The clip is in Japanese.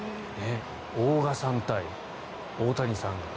千賀さん対大谷さん。